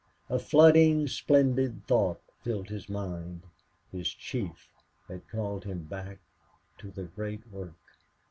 A flooding splendid thought filled his mind his chief had called him back to the great work.